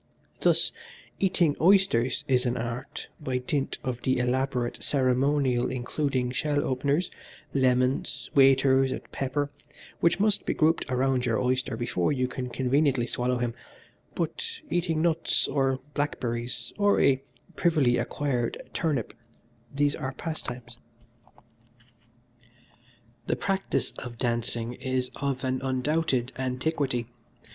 Thus, eating oysters is an art by dint of the elaborate ceremonial including shell openers, lemons, waiters and pepper, which must be grouped around your oyster before you can conveniently swallow him, but eating nuts, or blackberries, or a privily acquired turnip these are pastimes. "The practice of dancing is of an undoubted antiquity.